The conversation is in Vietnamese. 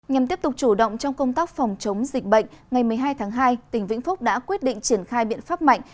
nhằm tiếp tục chủ động trong công tác phòng chống dịch bệnh ngày một mươi hai tháng hai tỉnh vĩnh phúc đã quyết định triển khai biện pháp mạnh